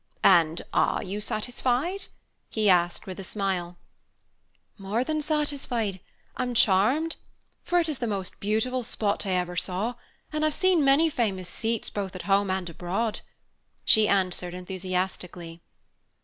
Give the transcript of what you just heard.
"And are you satisfied?" he asked, with a smile. "More than satisfied I'm charmed; for it is the most beautiful spot I ever saw, and I've seen many famous seats, both at home and abroad," she answered enthusiastically.